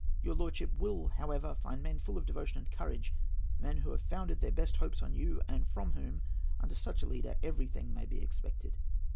Your lordship will, however, find men full of devotion and courage—men who have founded, their best hopes on you, and from whom, under such a leader, everything may be expected.